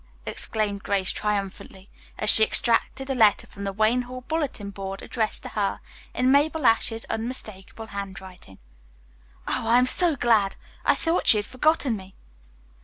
exclaimed Grace triumphantly, as she extracted a letter from the Wayne Hall bulletin board addressed to her in Mabel Ashe's unmistakable handwriting. "Oh, I am so glad! I thought she had forgotten me."